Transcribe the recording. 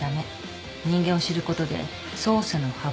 人間を知ることで捜査の幅が広がる。